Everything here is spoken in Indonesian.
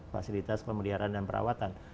fasilitas pemeliharaan dan perawatan